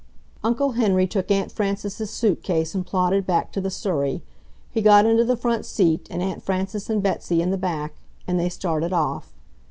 Uncle Henry took Aunt Frances's suitcase and plodded back to the surrey. He got into the front seat and Aunt Frances and Betsy in the back; and they started off.